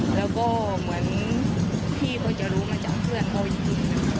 แล้วก็เหมือนพี่ก็จะรู้มาจากเพื่อนเขาจริง